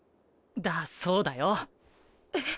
だそうだよ。えっ！？